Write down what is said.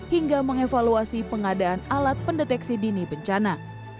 hingga mengevaluasi pengadaan alat pendeteksi dini bencana